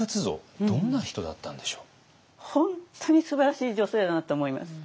本当にすばらしい女性だなと思います。